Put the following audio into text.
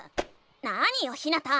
なによひなた！